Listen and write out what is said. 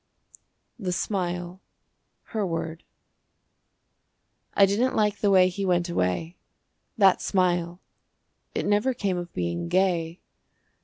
THE SMILE (Her Word) I didn't like the way he went away. That smile! It never came of being gay.